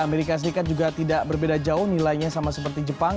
amerika serikat juga tidak berbeda jauh nilainya sama seperti jepang